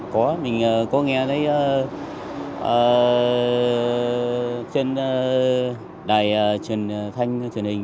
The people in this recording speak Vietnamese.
có mình có nghe thấy trên đài truyền thanh truyền hình